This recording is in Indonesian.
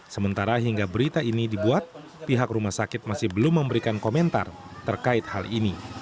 sementara hingga berita ini dibuat pihak rumah sakit masih belum memberikan komentar terkait hal ini